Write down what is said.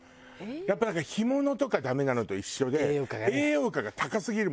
やっぱだから干物とかダメなのと一緒で。